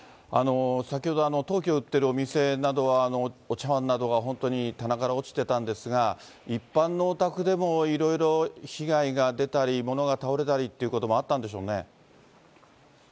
先ほど、陶器を売っているお店などでは、お茶わんなどが本当に棚から落ちてたんですが、一般のお宅でも、いろいろ、被害が出たり、物が倒れたりってこともあったんでしょうね。